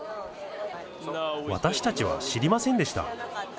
私たちは知りませんでした。